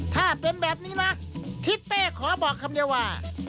ถ้าเป็นแบบนี้นะทิศเป้ขอบอกคำเดียวว่า